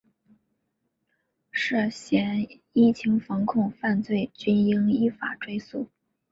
涉嫌疫情防控犯罪均应依法追诉